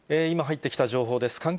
今、入ってきた情報です。